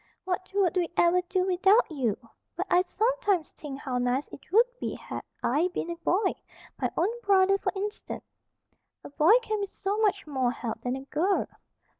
"What would we ever do without you? But I sometimes think how nice it would be had I been a boy, my own brother, for instance. A boy can be so much more help than a girl."